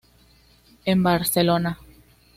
En Barcelona.